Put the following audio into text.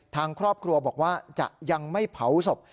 ทางครอบครัวบอกว่าจะยังไม่เผาศพ